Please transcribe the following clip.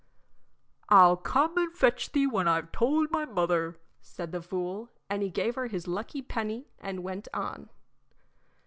"I'll come and fetch thee when I've told my mother," said the fool, and he gave her his lucky penny and went on.